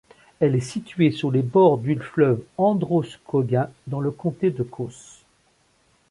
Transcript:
Elle est située sur les bords du fleuve Androscoggin, dans le comté de Coos.